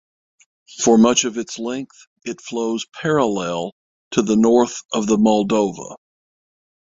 For much of its length it flows parallel to the north of the Moldova.